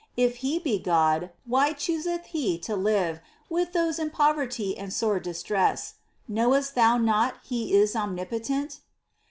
If He be God, why chooseth He to live With those in poverty and sore distress ?— Knowest thou not He is omnipotent